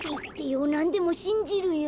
なんでもしんじるよ。